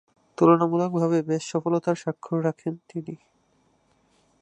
তুলনামূলকভাবে বেশ সফলতার স্বাক্ষর রাখেন তিনি।